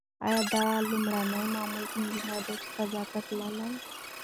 ایا دا لومړنۍ معلول انجنیر ده چې فضا ته تللې؟